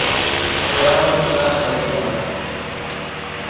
The route is not waymarked.